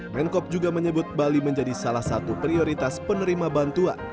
menkop juga menyebut bali menjadi salah satu prioritas penerima bantuan